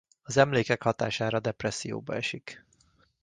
Az emlékek hatására depresszióba esik.